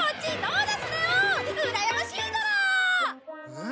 うん？